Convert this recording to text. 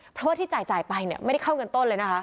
เพราะว่าที่จ่ายไปเนี่ยไม่ได้เข้าเงินต้นเลยนะคะ